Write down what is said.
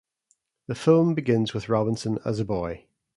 The film begins with Robinson as a boy.